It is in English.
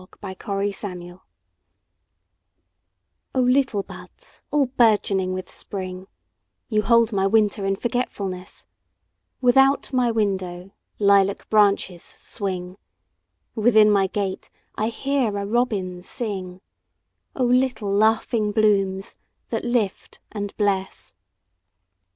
A Song in Spring O LITTLE buds all bourgeoning with Spring, You hold my winter in forgetfulness; Without my window lilac branches swing, Within my gate I hear a robin sing—O little laughing blooms that lift and bless!